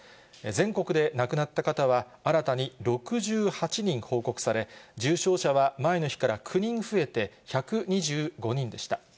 全国で亡くなった方は、新たに６８人報告され、重症者は前の日から９人増えて、１２５人でした。